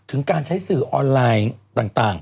การใช้สื่อออนไลน์ต่าง